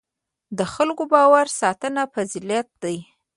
د خلکو باور ساتنه فضیلت دی.